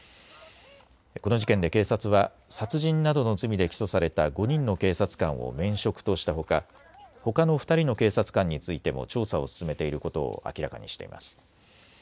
この事件で警察は殺人などの罪で起訴された５人の警察官を免職としたほかほかの２人の警察官についても調査を進めていることを明らかにしています。